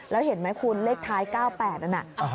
แล้วเห็นไหมคุณเลขท้าย๙๘นั้นน่ะ